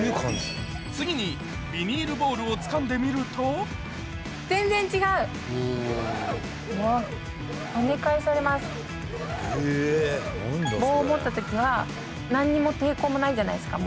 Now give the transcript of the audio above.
次にビニールボールをつかんでみると棒を持った時は何にも抵抗もないじゃないですか。